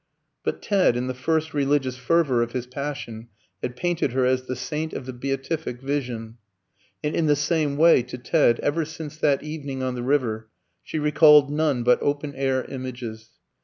But Ted, in the first religious fervour of his passion, had painted her as the Saint of the Beatific Vision; and in the same way, to Ted, ever since that evening on the river, she recalled none but open air images.